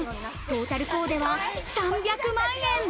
トータルコーデは３００万円。